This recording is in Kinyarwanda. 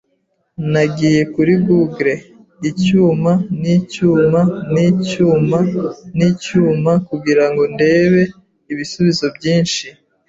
Nagiye kuri google "icyuma n 'icyuma" n "" icyuma n icyuma "kugirango ndebe ibisubizo byinshi.